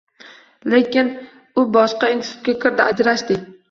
Lekin u boshqa institutga kirdi — ajrashdik.